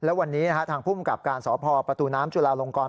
และวันนี้ทางภูมิกับการสพประตูน้ำจุลาลงกร